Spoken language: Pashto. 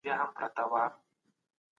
سياست پوهنه د بشري ژوند يوه مهمه څانګه ده.